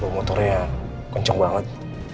motornya kenceng banget